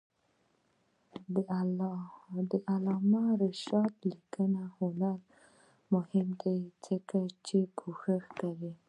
د علامه رشاد لیکنی هنر مهم دی ځکه چې کوشش کوي.